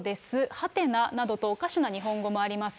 はてななどと、おかしな日本語もあります。